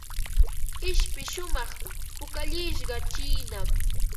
Ishpi shumaq pukallishqa chiinam.